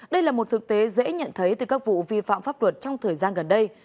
đây là một thực tế dễ nhận thấy từ các vụ vi phạm pháp luật trong thời gian gần đây